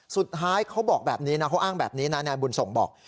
เขาบอกแบบนี้นะเขาอ้างแบบนี้นะนายบุญส่งบอก